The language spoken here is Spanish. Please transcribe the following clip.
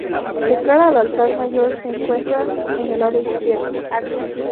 De cara al altar mayor, se encuentra en el lado izquierdo.